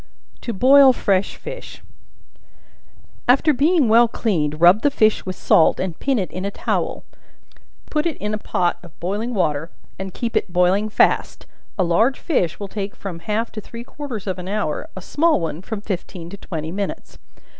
To Boil Fresh Fish. After being well cleaned, rub the fish with salt, and pin it in a towel; put it in a pot of boiling water, and keep it boiling fast; a large fish will take from half to three quarters of an hour a small one, from fifteen to twenty minutes.